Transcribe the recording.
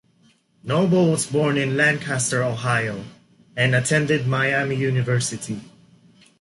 Noble was born in Lancaster, Ohio, and attended Miami University.